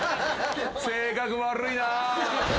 性格悪いなぁ。